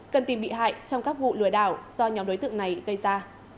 cần tìm bị hại trong các vụ lừa đảo do nhóm đối tượng này gây ra